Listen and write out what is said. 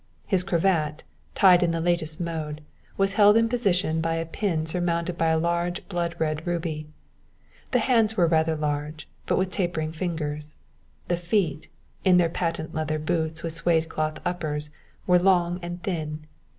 His cravat, tied in the latest mode, was held in position by a pin surmounted by a large blood red ruby. The hands were rather large, but with tapering fingers; the feet, in their patent leather boots with suède cloth uppers, were long and thin.